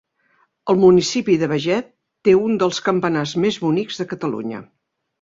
El municipi de Beget té un dels campanars més bonics de Catalunya.